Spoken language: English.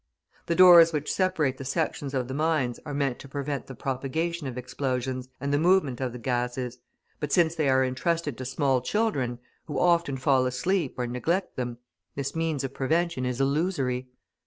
The doors which separate the sections of the mines are meant to prevent the propagation of explosions and the movement of the gases; but since they are entrusted to small children, who often fall asleep or neglect them, this means of prevention is illusory.